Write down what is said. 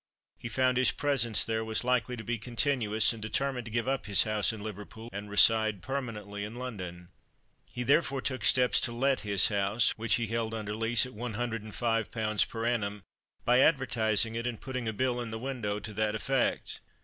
He found his presence there was likely to be continuous, and determined to give up his house in Liverpool and reside permanently in London. He, therefore, took steps to let his house (which he held under lease at one hundred and five pounds per annum) by advertising it, and putting a bill in the window to that effect.